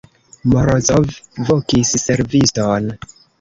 Morozov vokis serviston.